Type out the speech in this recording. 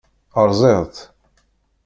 Rẓiɣ-tt?